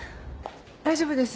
大丈夫です。